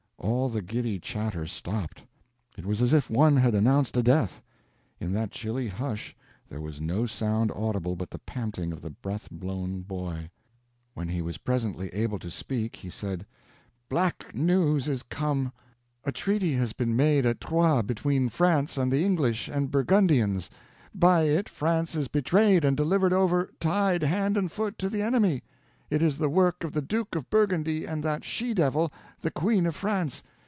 All the giddy chatter stopped. It was as if one had announced a death. In that chilly hush there was no sound audible but the panting of the breath blown boy. When he was presently able to speak, he said: "Black news is come. A treaty has been made at Troyes between France and the English and Burgundians. By it France is betrayed and delivered over, tied hand and foot, to the enemy. It is the work of the Duke of Burgundy and that she devil, the Queen of France.